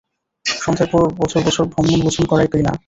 সন্ধের পর বছর বছর ব্রাহ্মণভোজন করায় কি না।